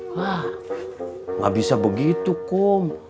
hah gak bisa begitu kum